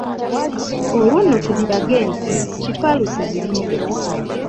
"Olwo nno tudibage ensi, Kifaalu tuzirinde."